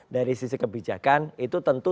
dari sisi kebijakan itu tentu